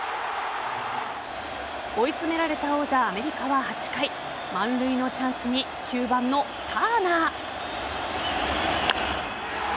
追い詰められた王者・アメリカは８回満塁のチャンスに９番のターナー。